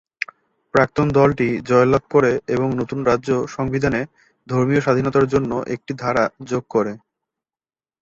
প্রাক্তন দলটি জয়লাভ করে এবং নতুন রাজ্য সংবিধানে ধর্মীয় স্বাধীনতার জন্য একটি ধারা যোগ করে।